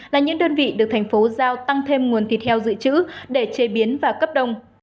là những đơn vị được thành phố giao tăng thêm nguồn thịt heo dự trữ để chế biến và cấp đông